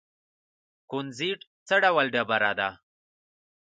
کونزیټ څه ډول ډبره ده؟